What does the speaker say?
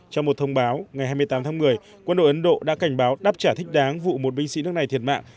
trong một thông báo ngày hai mươi tám tháng một mươi quân đội ấn độ đã cảnh báo đáp trả thích đáng vụ một binh sĩ nước này thiệt mạng